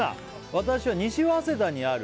「私は西早稲田にある」